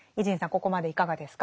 ここまでいかがですか？